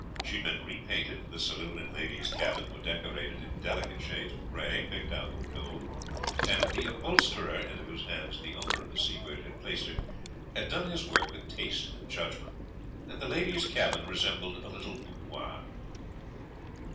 She had been repainted, the saloon and ladies' cabin were decorated in delicate shades of gray, picked out with gold; and the upholsterer, into whose hands the owner of the Seabird had placed her, had done his work with taste and judgment, and the ladies' cabin resembled a little boudoir.